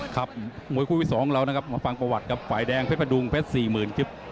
ครับมวยคู่ที่๒ของเรานะครับมาฟังประวัติกับฝ่ายแดงเพชรพดุงเพชร๔๐๐๐คลิป